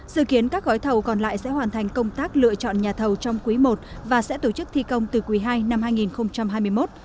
dự kiến các gói thầu còn lại sẽ hoàn thành công tác lựa chọn nhà thầu trong quý i và sẽ tổ chức thi công từ quý ii năm hai nghìn hai mươi một